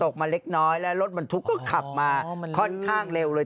คือตุ๊กก็ขับมาค่อนข้างเร็วเลย